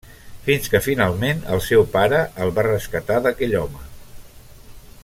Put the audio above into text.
Fins que finalment el seu pare el va rescatar d'aquell home.